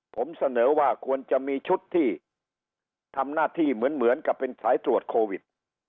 ผมเสนอว่าควรจะมีชุดที่ทำหน้าที่เหมือนกับเป็นสายตรวจโควิด